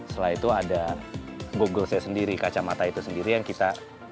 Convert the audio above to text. setelah itu ada google saya sendiri kacamata itu sendiri yang kita